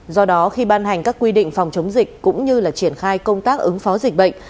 do đó khi ban hành các quy định phòng chống dịch cũng như là triển khai công tác ứng phó dịch bệnh